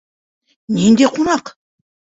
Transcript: — Ниндәй ҡунаҡ?